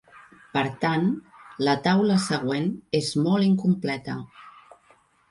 Per tant, la taula següent és molt incompleta.